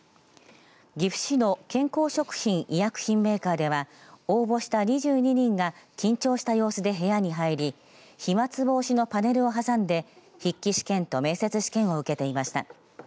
岐阜市の健康食品医薬品メーカーでは応募した２２人が緊張した様子で部屋に入り飛まつ防止のパネルを挟んで筆記試験と面接試験を受けていました。